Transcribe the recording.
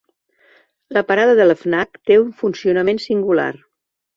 La parada de l'FNAC té un funcionament singular.